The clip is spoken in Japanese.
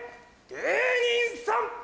芸人さん！